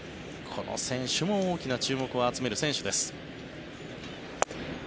この選手も大きな注目を集める選手です。